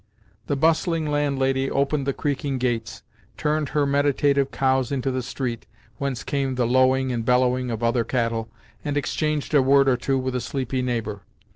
The bustling landlady opened the creaking gates, turned her meditative cows into the street (whence came the lowing and bellowing of other cattle), and exchanged a word or two with a sleepy neighbour.